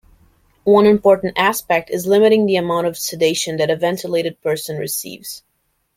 One important aspect is limiting the amount of sedation that a ventilated person receives.